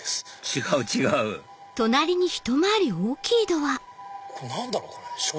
違う違うこれ何だろう？